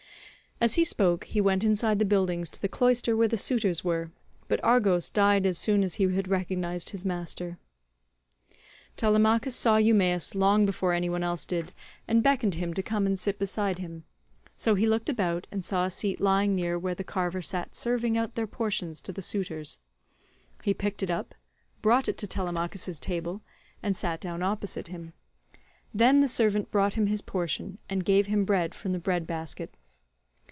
As he spoke he went inside the buildings to the cloister where the suitors were, but Argos died as soon as he had recognised his master. Telemachus saw Eumaeus long before any one else did, and beckoned him to come and sit beside him; so he looked about and saw a seat lying near where the carver sat serving out their portions to the suitors; he picked it up, brought it to Telemachus's table, and sat down opposite him. Then the servant brought him his portion, and gave him bread from the bread basket.